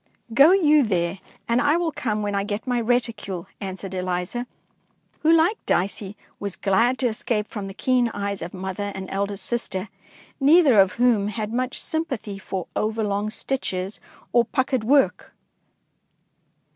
^" Gro you there and I will come when I get my reticule," answered Eliza, who, like Dicey, was glad to escape from the keen eyes of mother and elder sister, neither of whom had much sympathy for over long stitches or puckered work.